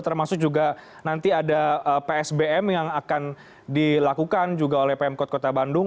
termasuk juga nanti ada psbm yang akan dilakukan juga oleh pemkot kota bandung